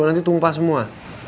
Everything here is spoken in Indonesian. nanti tumpah semua